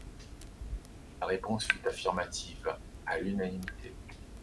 La réponse fut affirmative, à l’unanimité.